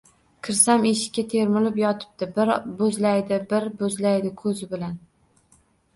Kirsam eshikka termulib yotibdi, bir boʼzlaydi, bir boʼzlaydi koʼzi bilan…